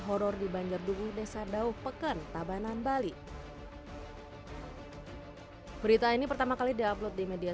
horror di banjardugu desa dauh peken tabanan bali berita ini pertama kali di upload di media